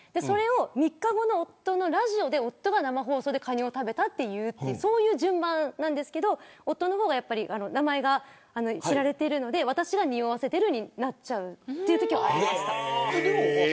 ３日後の夫のラジオで夫が生放送でカニを食べたって言う順番なんですが夫の方が名前が知られているので私がにおわせてるになっちゃうというときがありました。